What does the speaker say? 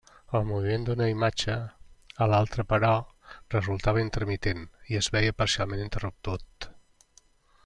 El moviment d'una imatge a l'altra però, resultava intermitent i es veia parcialment interromput.